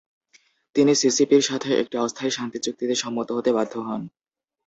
তিনি সিসিপির সাথে একটি অস্থায়ী শান্তিচুক্তিতে সম্মত হতে বাধ্য হন।